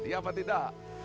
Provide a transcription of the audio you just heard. iya apa tidak